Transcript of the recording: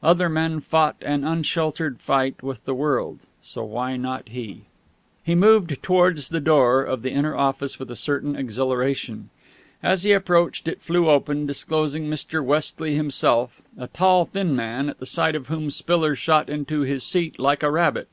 Other men fought an unsheltered fight with the world, so why not he? He moved towards the door of the inner office with a certain exhilaration. As he approached, it flew open, disclosing Mr. Westley himself, a tall, thin man, at the sight of whom Spiller shot into his seat like a rabbit.